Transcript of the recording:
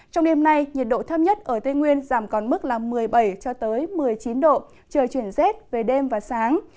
trong đêm nay nhiệt độ thấp nhất ở tây nguyên giảm còn mức một mươi bảy một mươi chín độ trời chuyển rét về đêm và sáng